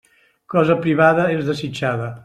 Cosa privada és desitjada.